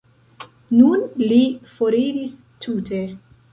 Nun li foriris tute.